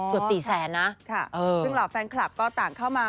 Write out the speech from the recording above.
อ๋อคือ๔๐๐๐๐๐นะค่ะเออค่ะซึ่งหลักแฟนคลับก็ต่างเข้ามา